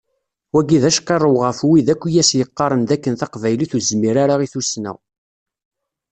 Wagi d acqirrew ɣef wid yakk i as-iqqaren d akken taqbaylit ur tezmir ara i tussna.